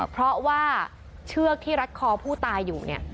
เพราะว่าเชือกที่รัดคอผู้ตายอยู่เนี่ย